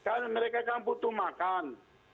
karena mereka kan butuh makan